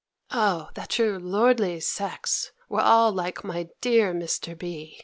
O that your lordly sex were all like my dear Mr. B.